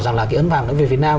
rằng là cái ấn phạm nó về việt nam